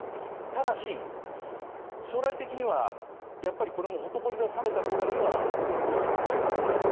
ただし、将来的にはやっぱりこれもほとぼりが冷めた頃にはプリゴジンがいなくなる。